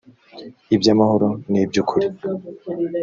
iby amahoro n iby ukuri